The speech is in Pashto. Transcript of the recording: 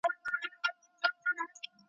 د کتاب مینه باید په ټولو کي عامه سي.